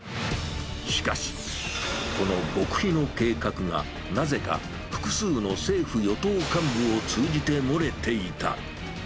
しかし、この極秘の計画が、なぜか複数の政府・与党幹部を通じて漏れていた。